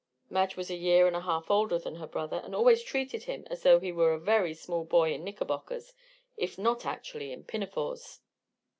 Madge was a year and a half older than her brother and always treated him as though he were a very small boy in knickerbockers if not actually in pinafores.